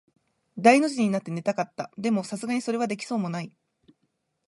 大の字になって寝たかった。でも、流石にそれはできそうもない。